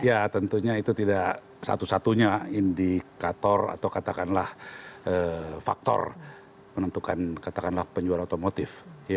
ya tentunya itu tidak satu satunya indikator atau katakanlah faktor menentukan katakanlah penjualan otomotif